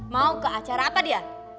mau ke acara apa dia